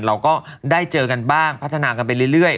เราก็ได้เจอกันบ้างพัฒนากันไปเรื่อย